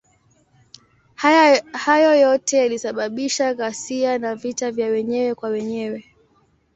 Hayo yote yalisababisha ghasia na vita ya wenyewe kwa wenyewe.